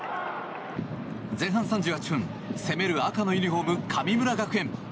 前半３８分、攻める赤のユニホーム神村学園。